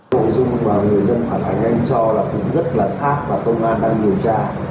nội dung mà người dân phản ánh anh cho là cũng rất là sát và công an đang điều tra